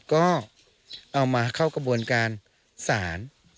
ก็เอามาเข้ากระบวนการศาล